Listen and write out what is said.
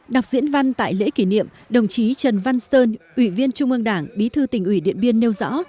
đọc diễn văn tại lễ kỷ niệm đồng chí trần văn sơn ủy viên trung ương đảng bí thư tỉnh ủy điện biên nêu rõ